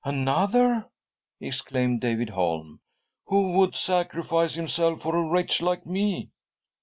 " Another ?" exclaimed David Holm. " Who would sacrifice himself for a wretch like me?